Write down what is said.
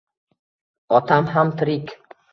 Otam ham tirik.